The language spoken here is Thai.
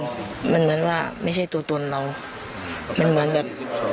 มันเหมือนว่าไม่ใช่ตัวตนเรามันเหมือนแบบ